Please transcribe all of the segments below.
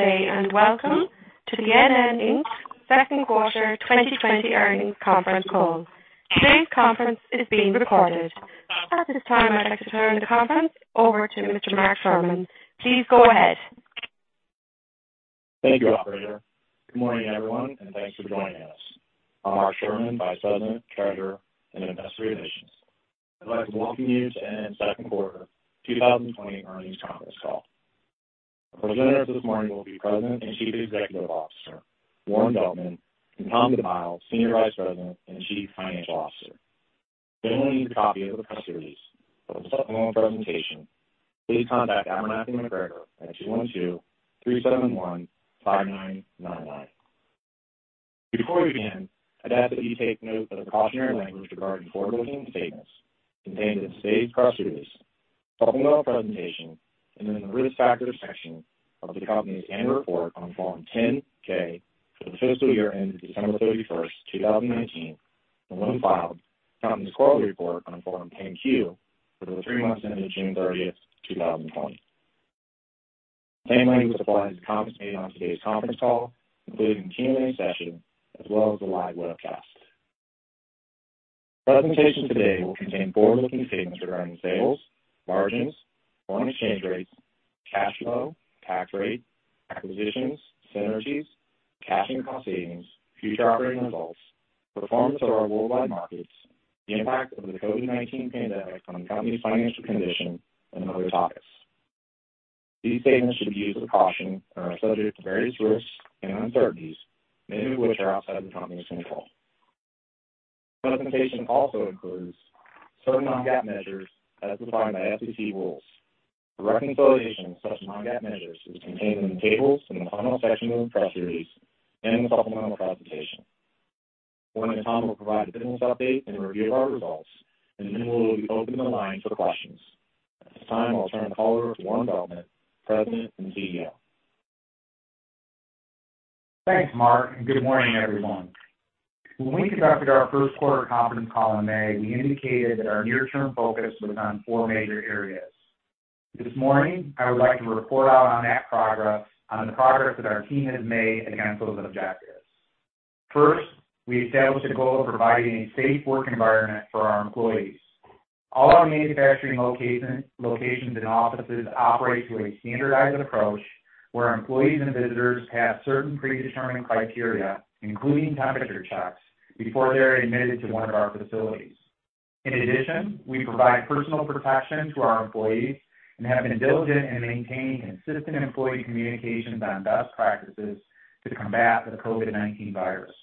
Good day and welcome to the NN Second Quarter 2020 Earnings Conference Call. Today's conference is being recorded. At this time, I'd like to turn the conference over to Mr. Mark Sherman. Please go ahead. Thank you, Operator. Good morning, everyone, and thanks for joining us. I'm Mark Sherman, Vice President, Charter, and Investor Relations. I'd like to welcome you to NN Second Quarter 2020 Earnings Conference Call. Our presenters this morning will be President and Chief Executive Officer Warren Veltman and Tom DeMaio, Senior Vice President and Chief Financial Officer. If anyone needs a copy of the press release or to supplement the presentation, please contact Abernathy MacGregor at 212-371-5999. Before we begin, I'd ask that you take note of the cautionary language regarding forward-looking statements contained in today's press release, supplemental presentation, and in the Risk Factor section of the Company's annual report on Form 10-K for the fiscal year ending December 31st, 2019, and when filed, the company's quarterly report on Form 10-Q for the three months ending June 30th, 2020. The same language applies to comments made on today's conference call, including the Q&A session, as well as the live webcast. The presentation today will contain forward-looking statements regarding sales, margins, foreign exchange rates, cash flow, tax rate, acquisitions, synergies, cash and cost-savings, future operating results, performance over our worldwide markets, the impact of the COVID-19 pandemic on the Company's financial condition, and other topics. These statements should be used with caution and are subject to various risks and uncertainties, many of which are outside the Company's control. The presentation also includes certain non-GAAP measures as defined by SEC rules. The reconciliation of such non-GAAP measures is contained in the tables in the final section of the press release and the supplemental presentation. Warren and Tom will provide the business update and review of our results, and then we'll open the line for questions. At this time, I'll turn the call over to Warren Veltman, President and CEO. Thanks, Mark. Good morning, everyone. When we conducted our first-quarter conference call in May, we indicated that our near-term focus was on four major areas. This morning, I would like to report out on that progress and the progress that our team has made against those objectives. First, we established a goal of providing a safe work environment for our employees. All our manufacturing locations and offices operate through a standardized approach where employees and visitors pass certain predetermined criteria, including temperature checks, before they're admitted to one of our facilities. In addition, we provide personal protection to our employees and have been diligent in maintaining consistent employee communications on best practices to combat the COVID-19 virus.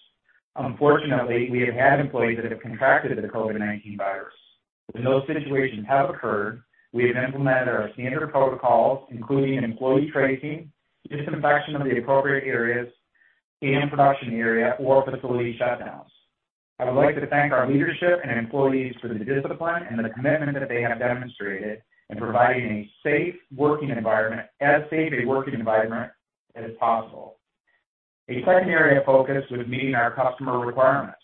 Unfortunately, we have had employees that have contracted the COVID-19 virus. When those situations have occurred, we have implemented our standard protocols, including employee tracing, disinfection of the appropriate areas, hand production area, or facility shutdowns. I would like to thank our leadership and employees for the discipline and the commitment that they have demonstrated in providing a safe working environment, as safe a working environment as possible. A second area of focus was meeting our customer requirements.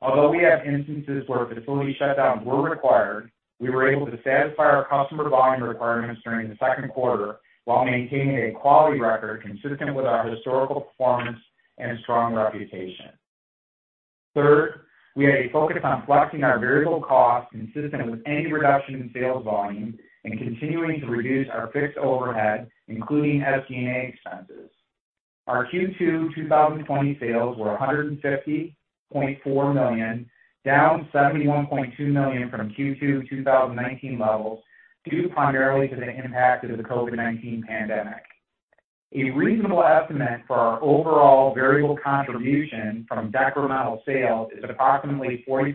Although we had instances where facility shutdowns were required, we were able to satisfy our customer volume requirements during the second quarter while maintaining a quality record consistent with our historical performance and strong reputation. Third, we had a focus on flexing our variable costs consistent with any reduction in sales volume and continuing to reduce our fixed overhead, including SG&A expenses. Our Q2 2020 sales were $150.4 million, down $71.2 million from Q2 2019 levels, due primarily to the impact of the COVID-19 pandemic. A reasonable estimate for our overall variable contribution from decremental sales is approximately 40%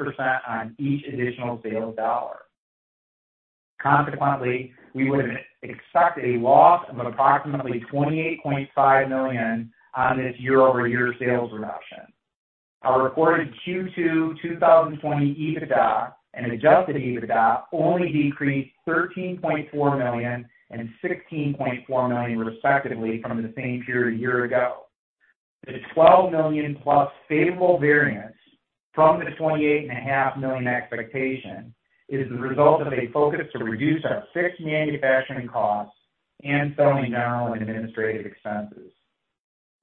on each additional sales dollar. Consequently, we would expect a loss of approximately $28.5 million on this year-over-year sales reduction. Our reported Q2 2020 EBITDA and Adjusted EBITDA only decreased $13.4 million and $16.4 million, respectively, from the same period a year ago. The $12 million-plus favorable variance from the $28.5 million expectation is the result of a focus to reduce our fixed manufacturing costs and selling, general, and administrative expenses.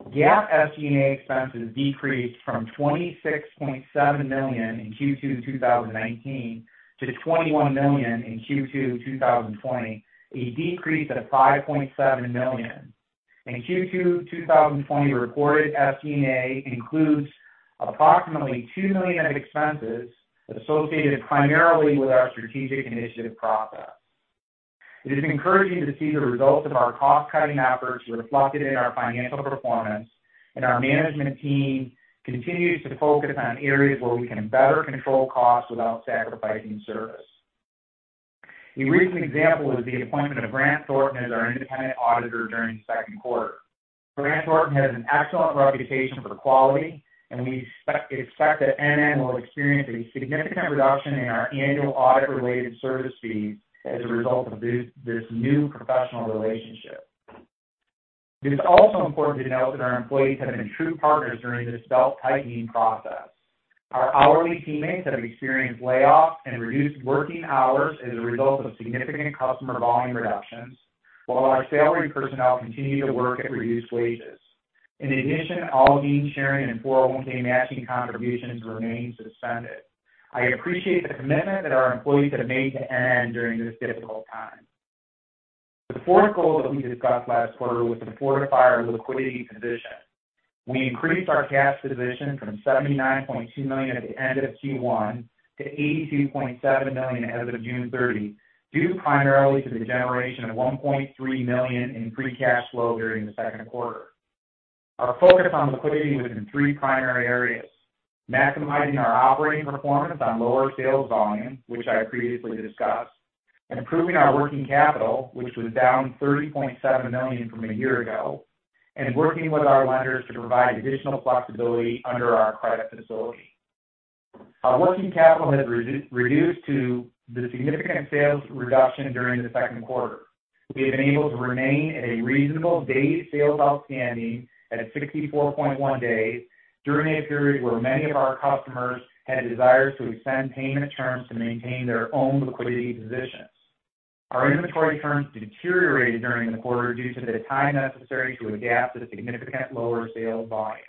GAAP SG&A expenses decreased from $26.7 million in Q2 2019 to $21 million in Q2 2020, a decrease of $5.7 million. Q2 2020 reported SG&A includes approximately $2 million of expenses associated primarily with our strategic initiative process. It is encouraging to see the results of our cost-cutting efforts reflected in our financial performance, and our management team continues to focus on areas where we can better control costs without sacrificing service. A recent example was the appointment of Grant Thornton as our independent auditor during the second quarter. Grant Thornton has an excellent reputation for quality, and we expect that NN will experience a significant reduction in our annual audit-related service fees as a result of this new professional relationship. It is also important to note that our employees have been true partners during this belt-tightening process. Our hourly teammates have experienced layoffs and reduced working hours as a result of significant customer volume reductions, while our salary personnel continue to work at reduced wages. In addition, all gain sharing and 401(k) matching contributions remain suspended. I appreciate the commitment that our employees have made to NN during this difficult time. The fourth goal that we discussed last quarter was to fortify our liquidity position. We increased our cash position from $79.2 million at the end of Q1 to $82.7 million as of June 30, due primarily to the generation of $1.3 million in free cash flow during the second quarter. Our focus on liquidity was in three primary areas: maximizing our operating performance on lower sales volume, which I previously discussed; improving our working capital, which was down $30.7 million from a year ago; and working with our lenders to provide additional flexibility under our credit facility. Our working capital has reduced to the significant sales reduction during the second quarter. We have been able to remain at a reasonable Days Sales Outstanding at 64.1 days during a period where many of our customers had desires to extend payment terms to maintain their own liquidity positions. Our inventory turns deteriorated during the quarter due to the time necessary to adapt to significantly lower sales volumes.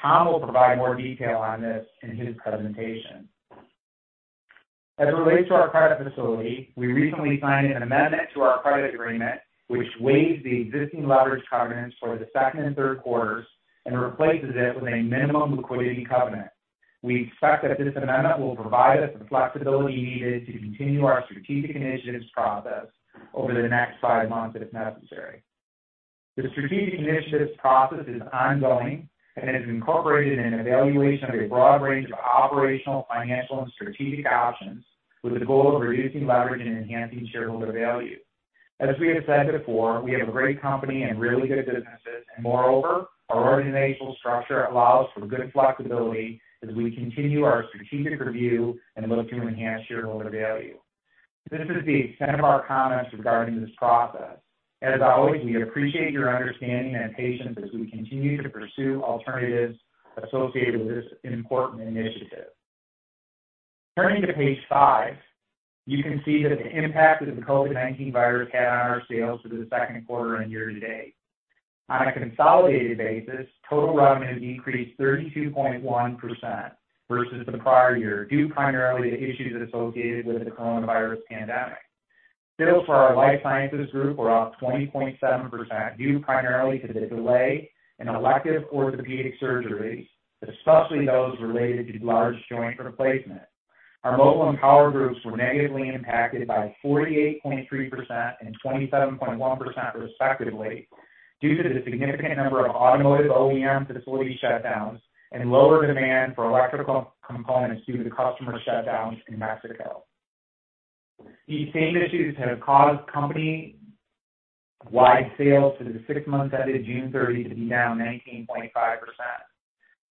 Tom will provide more detail on this in his presentation. As it relates to our credit facility, we recently signed an amendment to our credit agreement, which waived the existing leverage covenants for the second and third quarters and replaces it with a minimum liquidity covenant. We expect that this amendment will provide us the flexibility needed to continue our strategic initiatives process over the next five months if necessary. The strategic initiatives process is ongoing and has been incorporated in an evaluation of a broad range of operational, financial, and strategic options with the goal of reducing leverage and enhancing shareholder value. As we have said before, we have a great company and really good businesses, and moreover, our organizational structure allows for good flexibility as we continue our strategic review and look to enhance shareholder value. This is the extent of our comments regarding this process. As always, we appreciate your understanding and patience as we continue to pursue alternatives associated with this important initiative. Turning to Page 5, you can see that the impact that the COVID-19 virus had on our sales for the second quarter and year to date. On a consolidated basis, total revenue decreased 32.1% versus the prior year, due primarily to issues associated with the coronavirus pandemic. Sales for our Life Sciences group were up 20.7%, due primarily to the delay in elective orthopedic surgeries, especially those related to large-joint replacement. Our Mobile and Power groups were negatively impacted by 48.3% and 27.1%, respectively, due to the significant number of automotive OEM facility shutdowns and lower demand for electrical components due to customer shutdowns in Mexico. These same issues have caused company-wide sales for the six-month end of June 30 to be down 19.5%.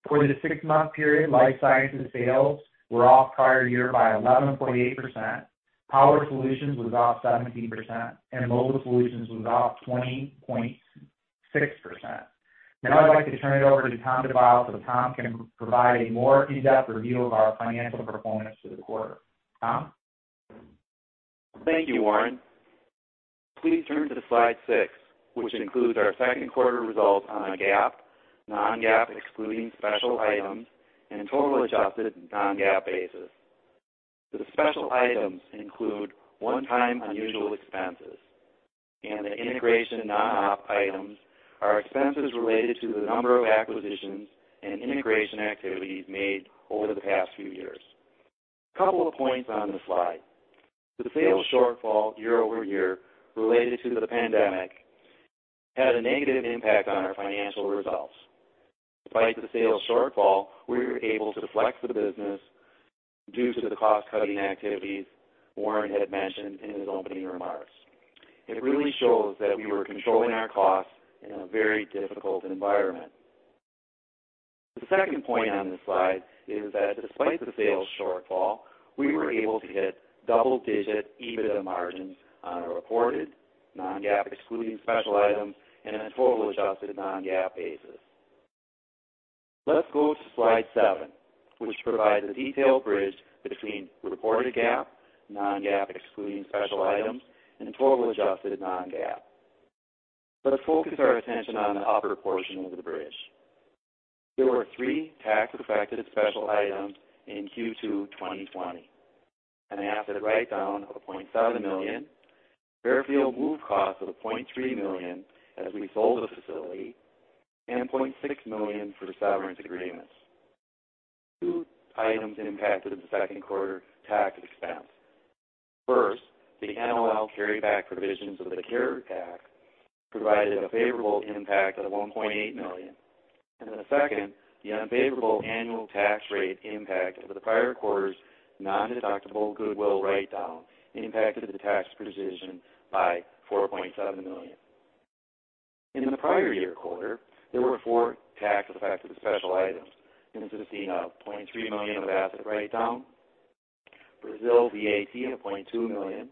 For the six-month period, Life Sciences sales were off prior year by 11.8%, Power Solutions was off 17%, and Mobile Solutions was off 20.6%. Now, I'd like to turn it over to Tom DeMaio for Tom to provide a more in-depth review of our financial performance for the quarter. Tom? Thank you, Warren. Please turn to Slide 6, which includes our second quarter results on GAAP, non-GAAP excluding special items, and total adjusted non-GAAP basis. The special items include one-time unusual expenses, and the integration non-OP items are expenses related to the number of acquisitions and integration activities made over the past few years. A couple of points on the slide. The sales shortfall year-over-year related to the pandemic had a negative impact on our financial results. Despite the sales shortfall, we were able to flex the business due to the cost-cutting activities Warren had mentioned in his opening remarks. It really shows that we were controlling our costs in a very difficult environment. The second point on the slide is that despite the sales shortfall, we were able to hit double-digit EBITDA margins on a reported non-GAAP excluding special items and a total adjusted non-GAAP basis. Let's go to Slide 7, which provides a detailed bridge between reported GAAP, non-GAAP excluding special items, and total adjusted non-GAAP. Let's focus our attention on the upper portion of the bridge. There were three tax-affected special items in Q2 2020: an asset write-down of $0.7 million, airfield move cost of $0.3 million as we sold the facility, and $0.6 million for severance agreements. Two items impacted the second quarter tax expense. First, the NOL carryback provisions of the carryback provided a favorable impact of $1.8 million. The second, the unfavorable annual tax rate impact of the prior quarter's non-deductible goodwill write-down impacted the tax provision by $4.7 million. In the prior year quarter, there were four tax-affected special items consisting of $0.3 million of asset write-down, Brazil VAT of $0.2 million,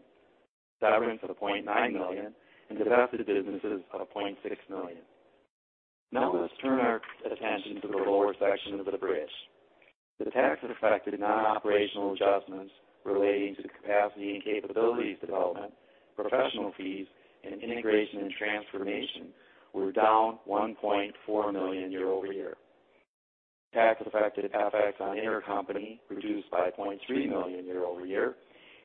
severance of $0.9 million, and deducted businesses of $0.6 million. Now, let's turn our attention to the lower section of the bridge. The tax-affected non-operational adjustments relating to capacity and capabilities development, professional fees, and integration and transformation were down $1.4 million year-over-year. Tax-affected effects on intercompany reduced by $0.3 million year-over-year,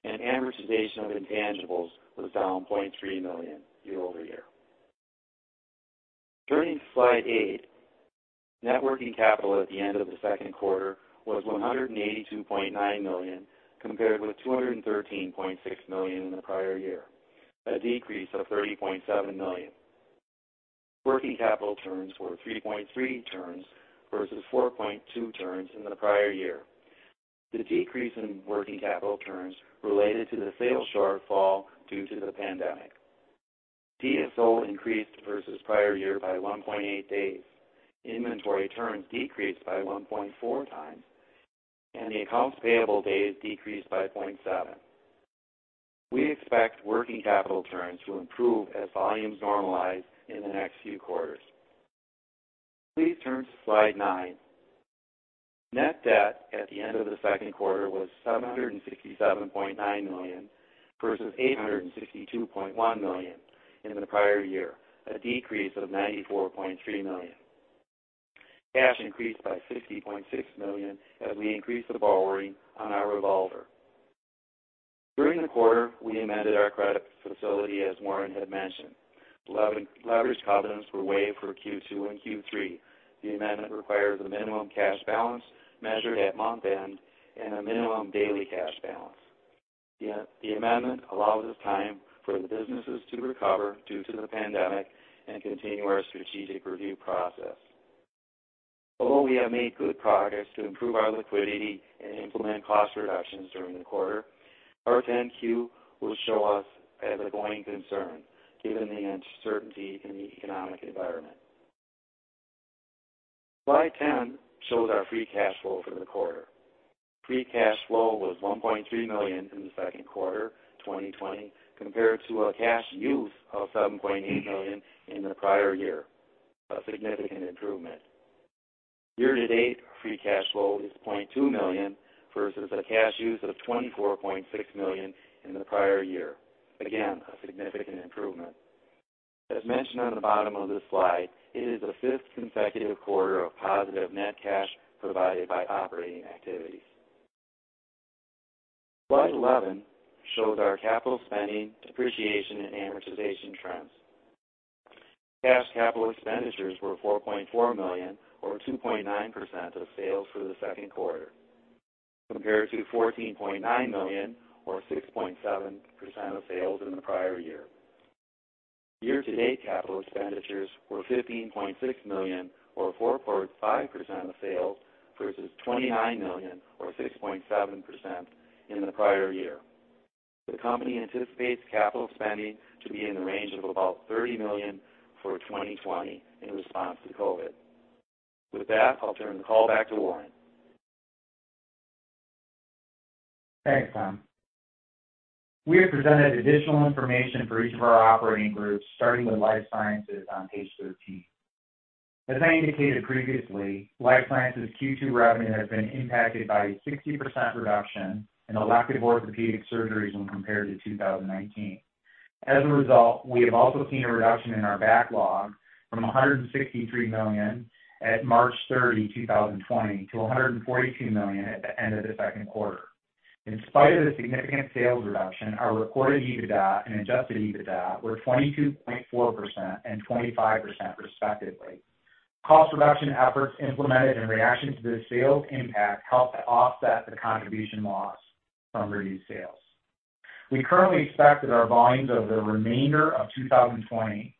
and amortization of intangibles was down $0.3 million year-over-year. Turning to Slide 8, networking capital at the end of the second quarter was $182.9 million compared with $213.6 million in the prior year, a decrease of $30.7 million. Working capital terms were 3.3 terms versus 4.2 terms in the prior year. The decrease in working capital terms related to the sales shortfall due to the pandemic. DSO increased versus prior year by 1.8 days. Inventory terms decreased by 1.4 times, and the accounts payable days decreased by 0.7. We expect working capital terms to improve as volumes normalize in the next few quarters. Please turn to Slide 9. Net debt at the end of the second quarter was $767.9 million versus $862.1 million in the prior year, a decrease of $94.3 million. Cash increased by $50.6 million as we increased the borrowing on our revolver. During the quarter, we amended our credit facility as Warren had mentioned. Leverage covenants were waived for Q2 and Q3. The amendment requires a minimum cash balance measured at month-end and a minimum daily cash balance. The amendment allows us time for the businesses to recover due to the pandemic and continue our strategic review process. Although we have made good progress to improve our liquidity and implement cost reductions during the quarter, our 10-Q will show us as a going concern given the uncertainty in the economic environment. Slide 10 shows our free cash flow for the quarter. Free cash flow was $1.3 million in the second quarter 2020 compared to a cash use of $7.8 million in the prior year, a significant improvement. Year-to-date, free cash flow is $0.2 million versus a cash use of $24.6 million in the prior year. Again, a significant improvement. As mentioned on the bottom of this slide, it is the fifth consecutive quarter of positive net cash provided by operating activities. Slide 11 shows our capital spending, depreciation, and amortization trends. Cash capital expenditures were $4.4 million, or 2.9% of sales for the second quarter compared to $14.9 million, or 6.7% of sales in the prior year. Year-to-date, capital expenditures were $15.6 million, or 4.5% of sales versus $29 million, or 6.7% in the prior year. The company anticipates capital spending to be in the range of about $30 million for 2020 in response to COVID. With that, I'll turn the call back to Warren. Thanks, Tom. We have presented additional information for each of our operating groups, starting with Life Sciences on Page 13. As I indicated previously, Life Sciences Q2 revenue has been impacted by a 60% reduction in elective orthopedic surgeries when compared to 2019. As a result, we have also seen a reduction in our backlog from $163 million at March 30, 2020, to $142 million at the end of the second quarter. In spite of the significant sales reduction, our reported EBITDA and Adjusted EBITDA were 22.4% and 25%, respectively. Cost reduction efforts implemented in reaction to the sales impact helped to offset the contribution loss from reduced sales. We currently expect that our volumes over the remainder of 2020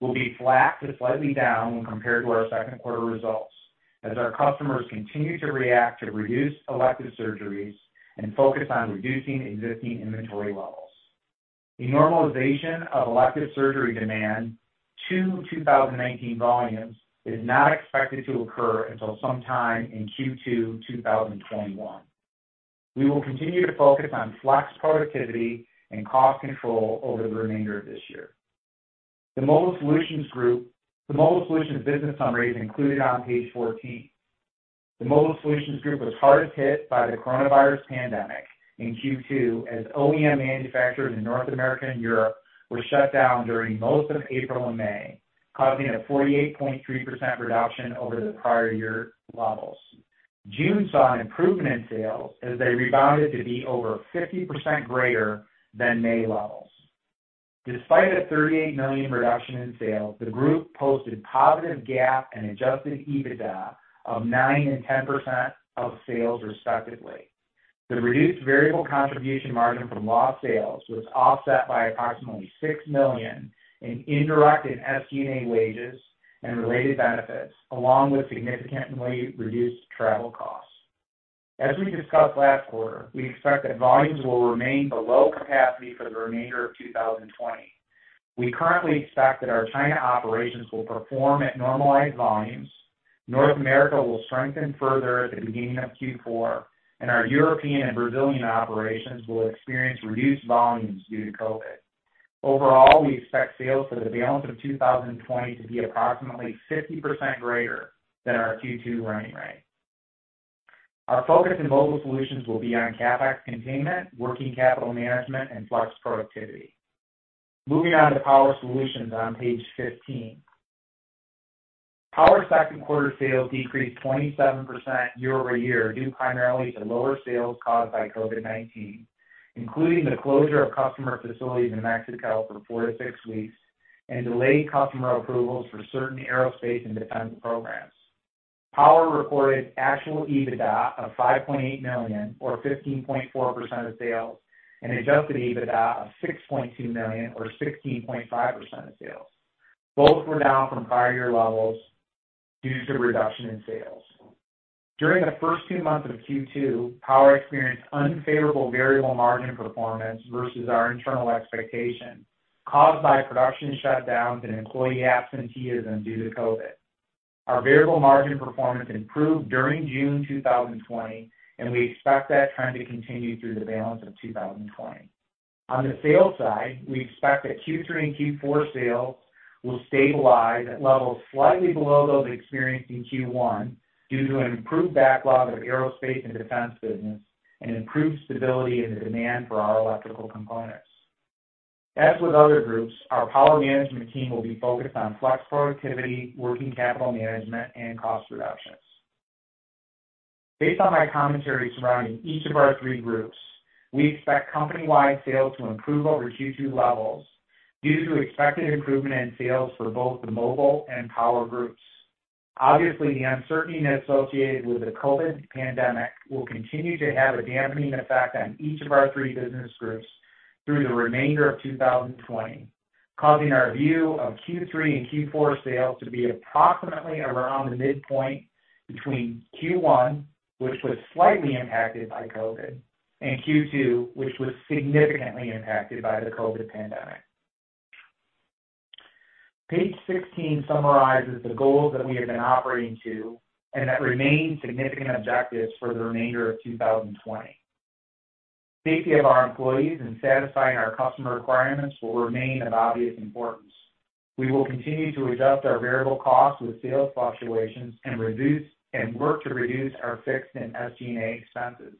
will be flat to slightly down when compared to our second quarter results as our customers continue to react to reduced elective surgeries and focus on reducing existing inventory levels. A normalization of elective surgery demand to 2019 volumes is not expected to occur until sometime in Q2 2021. We will continue to focus on flex productivity and cost control over the remainder of this year. The Mobile Solutions group, the mobile solutions business summaries included on Page 14. The Mobile Solutions group was hardest hit by the coronavirus pandemic in Q2 as OEM manufacturers in North America and Europe were shut down during most of April and May, causing a 48.3% reduction over the prior year levels. June saw an improvement in sales as they rebounded to be over 50% greater than May levels. Despite a $38 million reduction in sales, the group posted positive GAAP and Adjusted EBITDA of 9% and 10% of sales, respectively. The reduced variable contribution margin from lost sales was offset by approximately $6 million in indirect and SG&A wages and related benefits, along with significantly reduced travel costs. As we discussed last quarter, we expect that volumes will remain below capacity for the remainder of 2020. We currently expect that our China operations will perform at normalized volumes. North America will strengthen further at the beginning of Q4, and our European and Brazilian operations will experience reduced volumes due to COVID-19. Overall, we expect sales for the balance of 2020 to be approximately 50% greater than our Q2 running rate. Our focus in Mobile Solutions will be on CapEx containment, working capital management, and flex productivity. Moving on to Power Solutions on Page 15. Power's second quarter sales decreased 27% year-over-year due primarily to lower sales caused by COVID-19, including the closure of customer facilities in Mexico for four to six weeks and delayed customer approvals for certain aerospace and defense programs. Power reported actual EBITDA of $5.8 million, or 15.4% of sales, and Adjusted EBITDA of $6.2 million, or 16.5% of sales. Both were down from prior year levels due to reduction in sales. During the first two months of Q2, Power experienced unfavorable variable margin performance versus our internal expectation caused by production shutdowns and employee absenteeism due to COVID. Our variable margin performance improved during June 2020, and we expect that trend to continue through the balance of 2020. On the sales side, we expect that Q3 and Q4 sales will stabilize at levels slightly below those experienced in Q1 due to an improved backlog of aerospace and defense business and improved stability in the demand for our electrical components. As with other groups, our Power Management team will be focused on flex productivity, working capital management, and cost reductions. Based on my commentary surrounding each of our three groups, we expect company-wide sales to improve over Q2 levels due to expected improvement in sales for both the mobile and power groups. Obviously, the uncertainty associated with the COVID pandemic will continue to have a dampening effect on each of our three business groups through the remainder of 2020, causing our view of Q3 and Q4 sales to be approximately around the midpoint between Q1, which was slightly impacted by COVID, and Q2, which was significantly impacted by the COVID pandemic. Page 16 summarizes the goals that we have been operating to and that remain significant objectives for the remainder of 2020. Safety of our employees and satisfying our customer requirements will remain of obvious importance. We will continue to adjust our variable costs with sales fluctuations and work to reduce our fixed and SG&A expenses.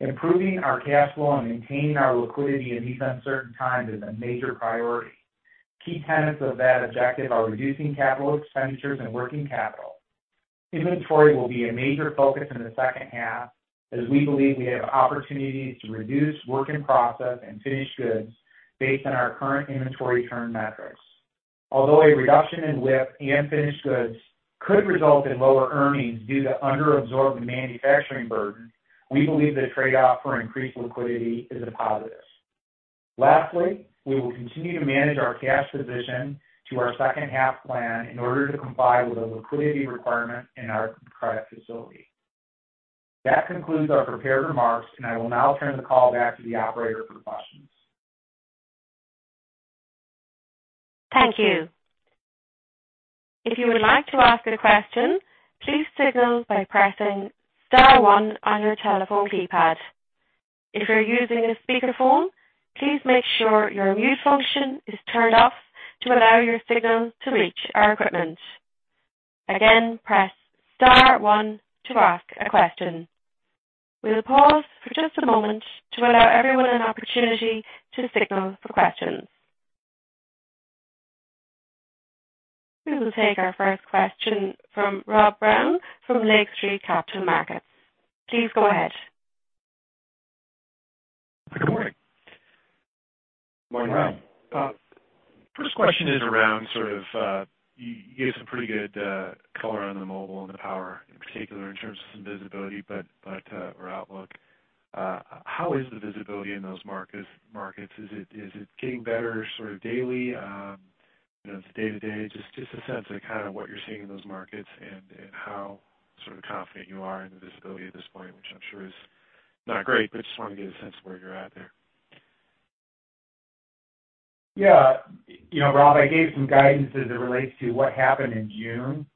Improving our cash flow and maintaining our liquidity in these uncertain times is a major priority. Key tenets of that objective are reducing capital expenditures and working capital. Inventory will be a major focus in the second half as we believe we have opportunities to reduce Work In Process and finished goods based on our current inventory term metrics. Although a reduction in WIP and finished goods could result in lower earnings due to underabsorbed manufacturing burden, we believe the trade-off for increased liquidity is a positive. Lastly, we will continue to manage our cash position to our second half plan in order to comply with the liquidity requirement in our credit facility. That concludes our prepared remarks, and I will now turn the call back to the operator for questions. Thank you. If you would like to ask a question, please signal by pressing star one on your telephone keypad. If you're using a speakerphone, please make sure your mute function is turned off to allow your signal to reach our equipment. Again, press star one to ask a question. We'll pause for just a moment to allow everyone an opportunity to signal for questions. We will take our first question from Rob Brown from Lake Street Capital Markets. Please go ahead. First question is around sort of, you gave some pretty good color on the Mobile and the Power in particular in terms of some visibility, or outlook. How is the visibility in those markets? Is it getting better sort of daily? You know, it's day-to-day. Just a sense of kind of what you're seeing in those markets and how sort of confident you are in the visibility at this point, which I'm sure is not great, but just want to get a sense of where you're at there. Yeah. You know, Rob, I gave some guidance as it relates to what happened in June.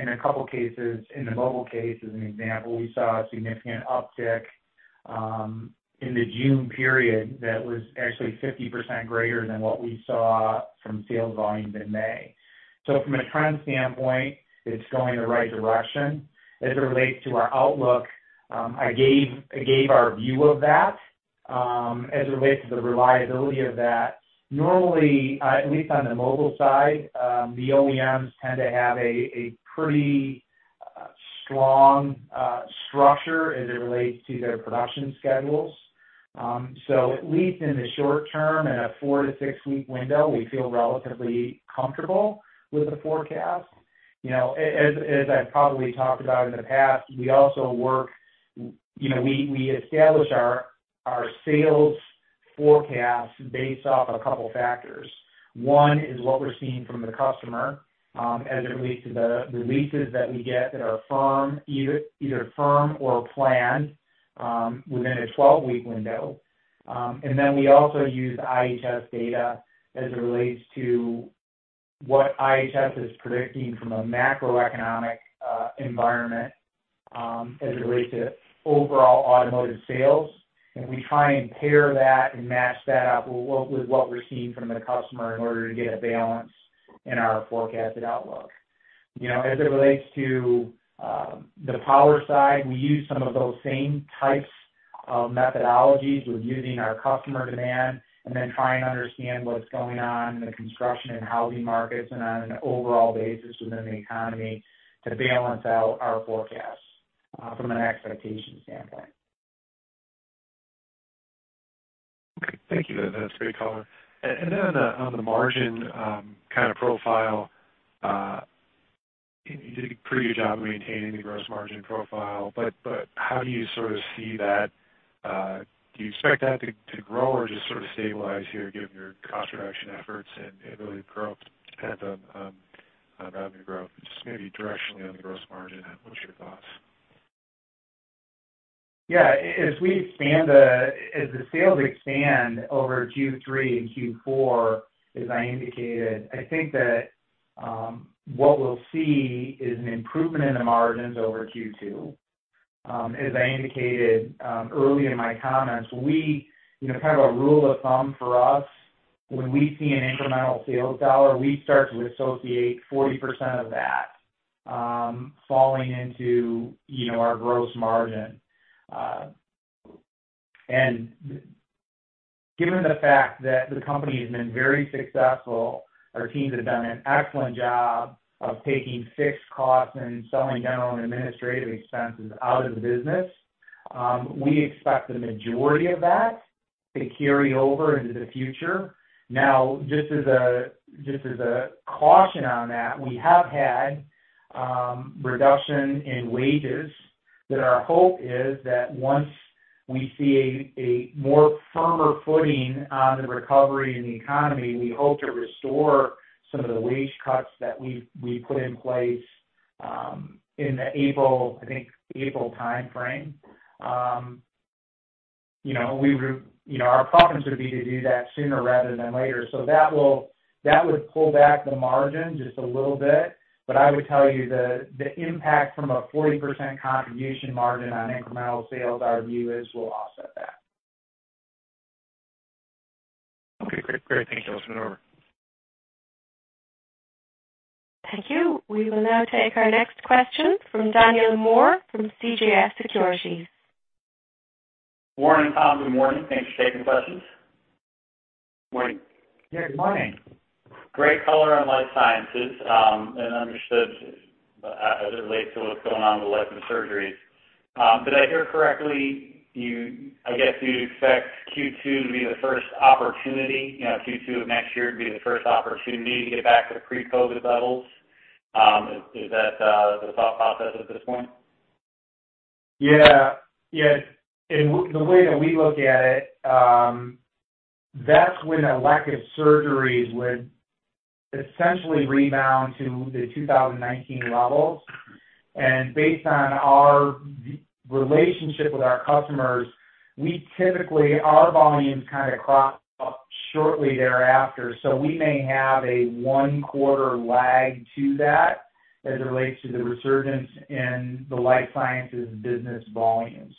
In a couple of cases, in the Mobile case as an example, we saw a significant uptick, in the June period that was actually 50% greater than what we saw from sales volumes in May. From a trend standpoint, it's going the right direction. As it relates to our outlook, I gave, I gave our view of that, as it relates to the reliability of that. Normally, at least on the Mobile side, the OEMs tend to have a, a pretty, strong, structure as it relates to their production schedules. At least in the short term, in a four-to-six-week window, we feel relatively comfortable with the forecast. You know, as I've probably talked about in the past, we also work, you know, we establish our sales forecast based off a couple of factors. One is what we're seeing from the customer, as it relates to the releases that we get that are firm, either firm or planned, within a 12-week window. We also use IHS data as it relates to what IHS is predicting from a macroeconomic environment, as it relates to overall automotive sales. We try and pair that and match that up with what we're seeing from the customer in order to get a balance in our forecasted outlook. You know, as it relates to the power side, we use some of those same types of methodologies when using our customer demand and then try and understand what's going on in the construction and housing markets and on an overall basis within the economy to balance out our forecast, from an expectation standpoint. Okay. Thank you. That's a great call. And then on the margin, kind of profile, you did a pretty good job of maintaining the gross margin profile. But how do you sort of see that? Do you expect that to grow or just sort of stabilize here given your cost reduction efforts and really grow dependent on revenue growth, just maybe directionally on the gross margin? What's your thoughts? Yeah. As we expand, as the sales expand over Q3 and Q4, as I indicated, I think that what we'll see is an improvement in the margins over Q2. As I indicated early in my comments, we, you know, kind of a rule of thumb for us, when we see an incremental sales dollar, we start to associate 40% of that falling into, you know, our gross margin. And given the fact that the company has been very successful, our teams have done an excellent job of taking fixed costs and selling down on administrative expenses out of the business. We expect the majority of that to carry over into the future. Now, just as a caution on that, we have had reduction in wages that our hope is that once we see a more firmer footing on the recovery in the economy, we hope to restore some of the wage cuts that we've put in place, in the April, I think, April timeframe. You know, we would, you know, our preference would be to do that sooner rather than later. That would pull back the margin just a little bit. I would tell you the impact from a 40% contribution margin on incremental sales, our view is we'll offset that. Okay. Great. Great. Thank you. Thank you. We will now take our next question from Daniel Moore from CJS Securities. Warren and Tom, good morning. Thanks for taking the questions. Morning. Yeah. Good morning. Great color on Life Sciences, and understood, as it relates to what's going on with elective surgeries. Did I hear correctly? You, I guess, you'd expect Q2 to be the first opportunity, you know, Q2 of next year to be the first opportunity to get back to pre-COVID levels. Is, is that, the thought process at this point? Yeah. Yeah. The way that we look at it, that's when elective surgeries would essentially rebound to the 2019 levels. Based on our relationship with our customers, we typically, our volumes kind of crop up shortly thereafter. We may have a one-quarter lag to that as it relates to the resurgence in the Life Sciences business volumes.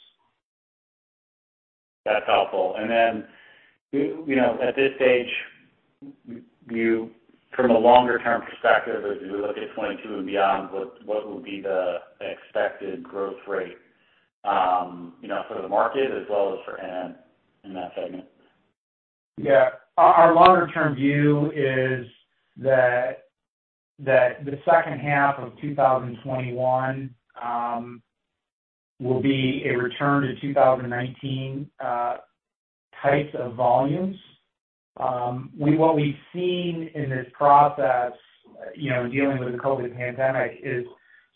That's helpful. You know, at this stage, from a longer-term perspective, as you look at 2022 and beyond, what would be the expected growth rate, you know, for the market as well as for NN in that segment? Yeah. Our longer-term view is that the second half of 2021 will be a return to 2019 types of volumes. What we've seen in this process, you know, dealing with the COVID pandemic, is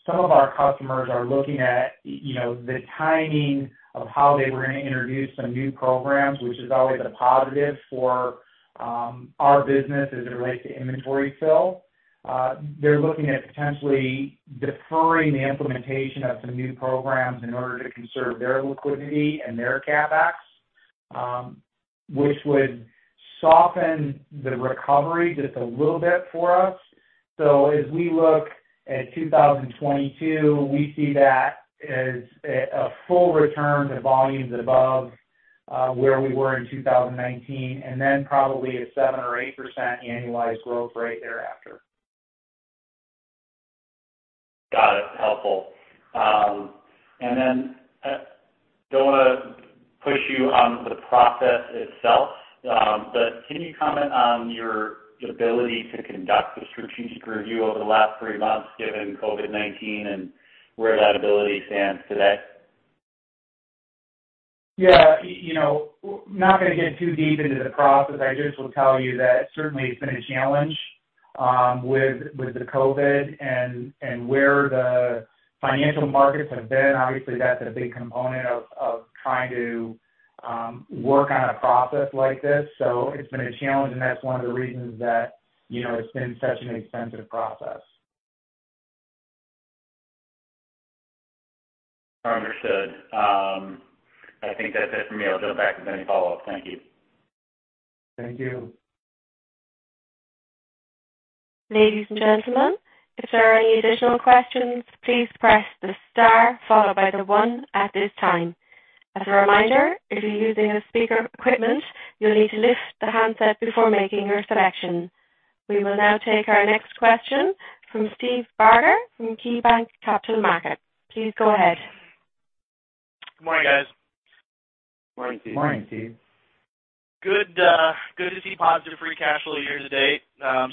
some of our customers are looking at, you know, the timing of how they were going to introduce some new programs, which is always a positive for our business as it relates to inventory fill. They're looking at potentially deferring the implementation of some new programs in order to conserve their liquidity and their CapEx, which would soften the recovery just a little bit for us. As we look at 2022, we see that as a full return to volumes above where we were in 2019, and then probably a 7%-8% annualized growth rate thereafter. Got it. Helpful. And then, don't want to push you on the process itself, but can you comment on your ability to conduct the strategic review over the last three months given COVID-19 and where that ability stands today? Yeah. You know, not going to get too deep into the process. I just will tell you that certainly it's been a challenge, with the COVID and where the financial markets have been. Obviously, that's a big component of trying to work on a process like this. It's been a challenge, and that's one of the reasons that, you know, it's been such an expensive process. Understood. I think that's it for me. I'll jump back if there's any follow-up. Thank you. Thank you. Ladies and gentlemen, if there are any additional questions, please press the star followed by the one at this time. As a reminder, if you're using speaker equipment, you'll need to lift the handset before making your selection. We will now take our next question from Steve Barger from KeyBanc Capital Markets. Please go ahead. Good morning, guys. Morning. Morning, Steve. Good, good to see positive free cash flow year-to-date.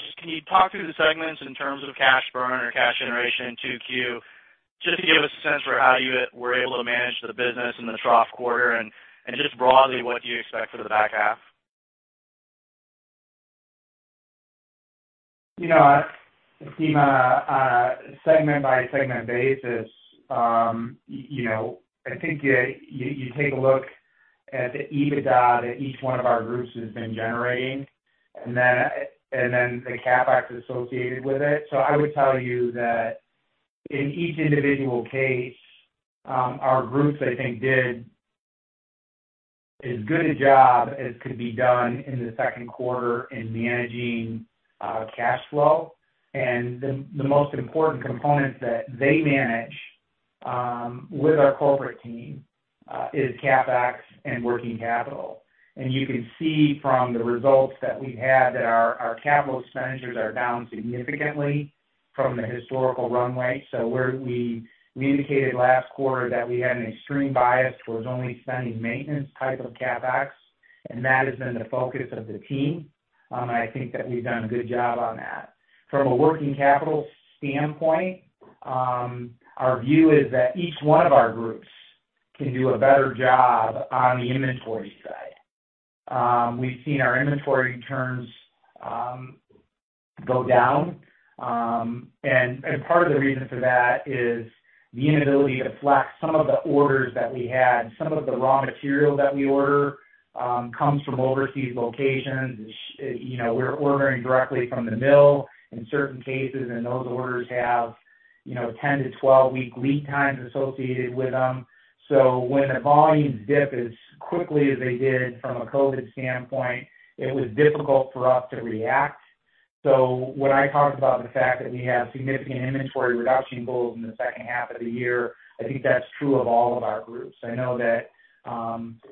Just can you talk through the segments in terms of cash burn or cash generation in Q2, Q just to give us a sense for how you were able to manage the business in the trough quarter and, and just broadly what do you expect for the back half? You know, I think on a segment-by-segment basis, you know, I think you take a look at the EBITDA that each one of our groups has been generating, and then the CapEx associated with it. I would tell you that in each individual case, our groups, I think, did as good a job as could be done in the second quarter in managing cash flow. The most important components that they manage, with our corporate team, is CapEx and working capital. You can see from the results that we've had that our capital expenditures are down significantly from the historical runway. Where we indicated last quarter that we had an extreme bias towards only spending maintenance-type of CapEx, and that has been the focus of the team. I think that we've done a good job on that. From a working capital standpoint, our view is that each one of our groups can do a better job on the inventory side. We've seen our inventory returns go down, and part of the reason for that is the inability to flex some of the orders that we had. Some of the raw material that we order comes from overseas locations. It's, you know, we're ordering directly from the mill in certain cases, and those orders have, you know, 10-12 week lead times associated with them. When the volumes dip as quickly as they did from a COVID standpoint, it was difficult for us to react. When I talked about the fact that we have significant inventory reduction goals in the second half of the year, I think that's true of all of our groups. I know that,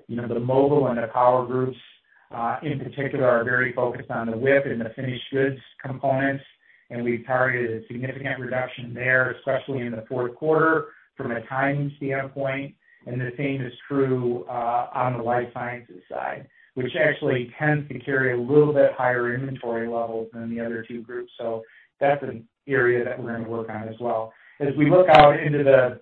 you know, the Mobile and the Power groups, in particular, are very focused on the WIP and the finished goods components, and we've targeted a significant reduction there, especially in the fourth quarter from a timing standpoint. The same is true on the Life Sciences side, which actually tends to carry a little bit higher inventory levels than the other two groups. That is an area that we're going to work on as well. As we look out into the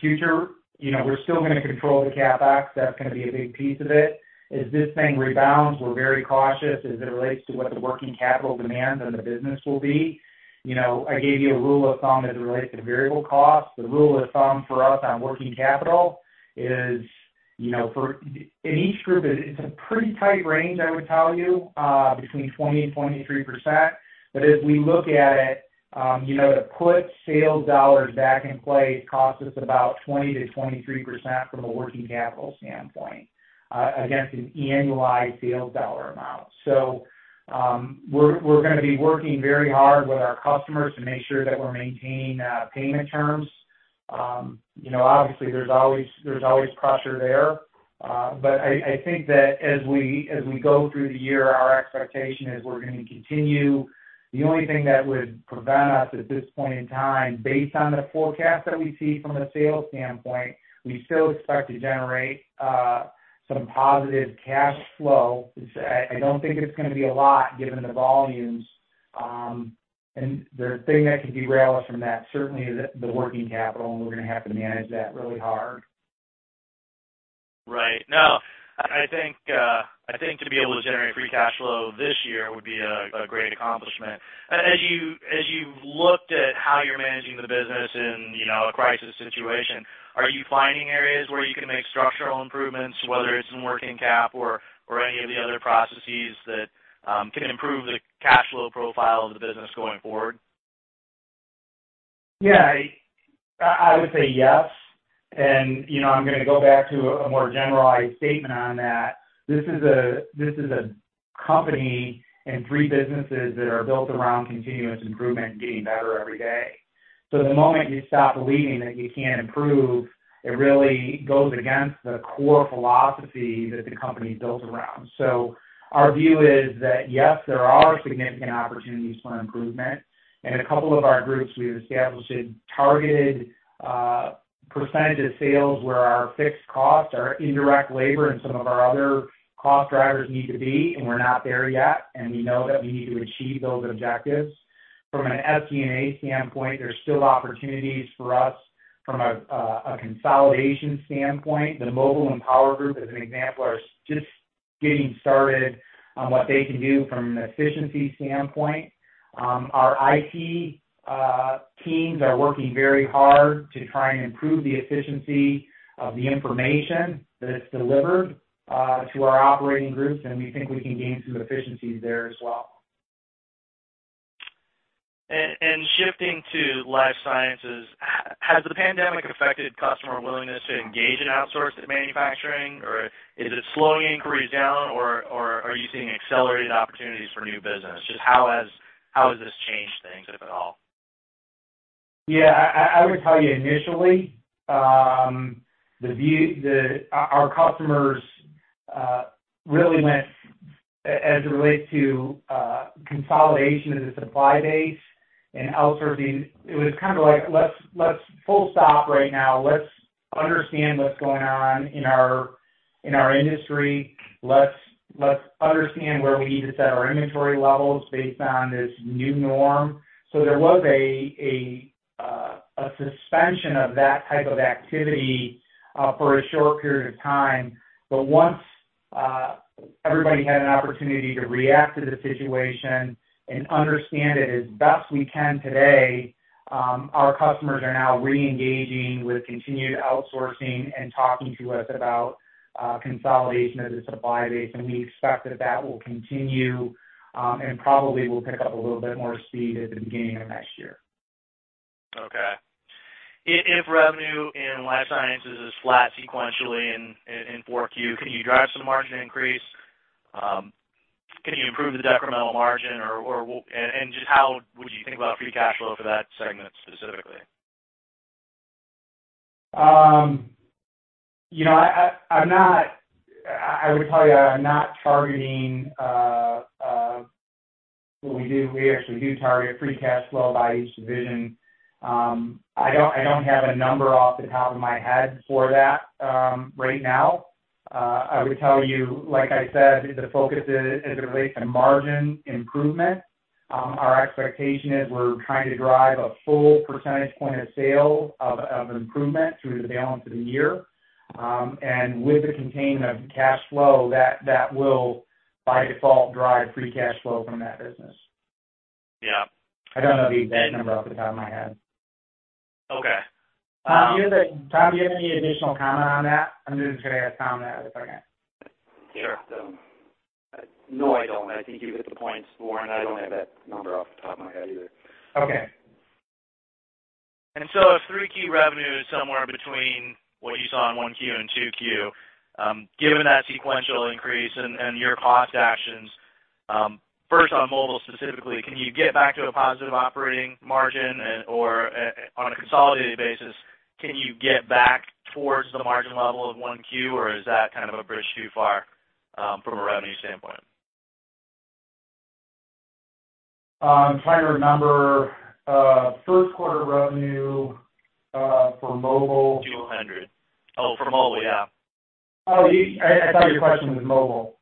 future, you know, we're still going to control the CapEx. That's going to be a big piece of it. As this thing rebounds, we're very cautious as it relates to what the working capital demand and the business will be. You know, I gave you a rule of thumb as it relates to variable costs. The rule of thumb for us on working capital is, you know, for in each group, it's a pretty tight range, I would tell you, between 20%-23%. As we look at it, you know, to put sales dollars back in place costs us about 20%-23% from a working capital standpoint, against an annualized sales dollar amount. We're going to be working very hard with our customers to make sure that we're maintaining payment terms. You know, obviously, there's always, there's always pressure there. I think that as we go through the year, our expectation is we're going to continue. The only thing that would prevent us at this point in time, based on the forecast that we see from a sales standpoint, we still expect to generate some positive cash flow. I don't think it's going to be a lot given the volumes. The thing that can derail us from that certainly is the working capital, and we're going to have to manage that really hard. Right. No, I think to be able to generate free cash flow this year would be a great accomplishment. As you, as you've looked at how you're managing the business in, you know, a crisis situation, are you finding areas where you can make structural improvements, whether it's in working cap or any of the other processes that can improve the cash flow profile of the business going forward? Yeah. I would say yes. And, you know, I'm going to go back to a more generalized statement on that. This is a company and three businesses that are built around continuous improvement and getting better every day. The moment you stop believing that you can't improve, it really goes against the core philosophy that the company is built around. Our view is that, yes, there are significant opportunities for improvement. A couple of our groups, we've established a targeted percentage of sales where our fixed costs, our indirect labor, and some of our other cost drivers need to be, and we're not there yet. We know that we need to achieve those objectives. From an SG&A standpoint, there's still opportunities for us from a consolidation standpoint. The Mobile and Power group, as an example, are just getting started on what they can do from an efficiency standpoint. Our IT teams are working very hard to try and improve the efficiency of the information that's delivered to our operating groups, and we think we can gain some efficiencies there as well. Shifting to Life Sciences, has the pandemic affected customer willingness to engage in outsourced manufacturing, or is it slowing, freezing down, or are you seeing accelerated opportunities for new business? Just how has this changed things, if at all? Yeah. I would tell you initially, the view, our customers really went, as it relates to consolidation of the supply base and outsourcing, it was kind of like, "Let's, let's full stop right now. Let's understand what's going on in our, in our industry. Let's, let's understand where we need to set our inventory levels based on this new norm." There was a suspension of that type of activity, for a short period of time. Once everybody had an opportunity to react to the situation and understand it as best we can today, our customers are now re-engaging with continued outsourcing and talking to us about consolidation of the supply base. We expect that that will continue, and probably will pick up a little bit more speed at the beginning of next year. Okay. If revenue in Life Sciences is flat sequentially in fourth year, can you drive some margin increase? Can you improve the decremental margin, and just how would you think about free cash flow for that segment specifically? You know, I, I'm not, I would tell you I'm not targeting, well, we do, we actually do target free cash flow by each division. I don't, I don't have a number off the top of my head for that right now. I would tell you, like I said, the focus is, as it relates to margin improvement. Our expectation is we're trying to drive a full percentage point of improvement through the balance of the year. With the containment of cash flow, that will by default drive free cash flow from that business. Yeah. I don't know the exact number off the top of my head. Okay. Do you have any, Tom, do you have any additional comment on that? I'm just going to ask Tom that if I can. Sure. No, I don't. I think you hit the point, Warren. I don't have that number off the top of my head either. Okay. If Q3 revenue is somewhere between what you saw in Q1 and Q2, given that sequential increase and your cost actions, first on Mobile specifically, can you get back to a positive operating margin and, or, on a consolidated basis, can you get back towards the margin level of Q1, or is that kind of a bridge too far, from a revenue standpoint? Trying to remember, first quarter revenue, for Mobile. Two hundred. Oh, for Mobile, yeah. Oh, I thought your question was Mobile.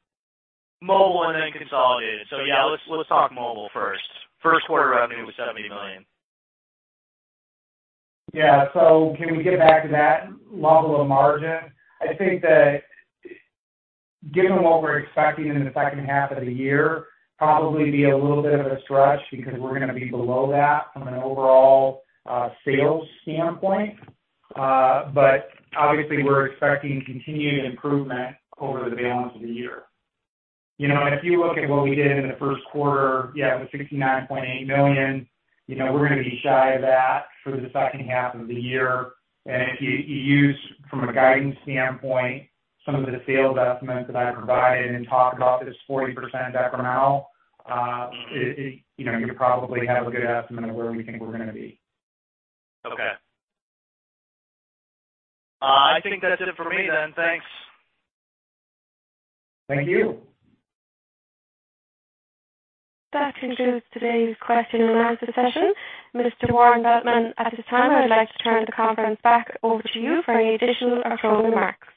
Mobile and then consolidated. Yeah, let's talk Mobile first. First quarter revenue was $70 million. Yeah. Can we get back to that level of margin? I think that given what we're expecting in the second half of the year, probably be a little bit of a stretch because we're going to be below that from an overall sales standpoint. Obviously, we're expecting continued improvement over the balance of the year. You know, if you look at what we did in the first quarter, yeah, it was $69.8 million. You know, we're going to be shy of that for the second half of the year. If you use from a guidance standpoint some of the sales estimates that I provided and talked about this 40% decremental, you probably have a good estimate of where we think we're going to be. Okay. I think that's it for me then. Thanks. Thank you. That concludes today's question and answer session. Mr. Warren Veltman, at this time, I'd like to turn the conference back over to you for any additional or closing remarks.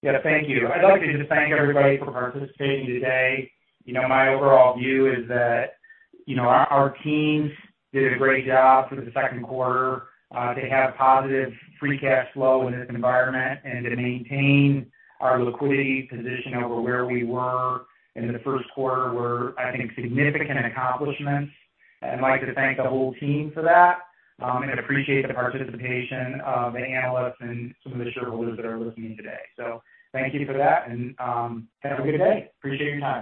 Yeah. Thank you. I'd like to just thank everybody for participating today. You know, my overall view is that, you know, our teams did a great job through the second quarter. They have positive free cash flow in this environment, and to maintain our liquidity position over where we were in the first quarter were, I think, significant accomplishments. I'd like to thank the whole team for that, and appreciate the participation of the analysts and some of the shareholders that are listening today. Thank you for that, and have a good day. Appreciate your time.